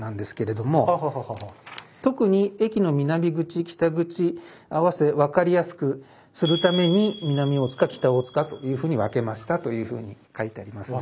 特に駅の南口北口に合わせ分かりやすくするために南大塚北大塚というふうに分けましたというふうに書いてありますね。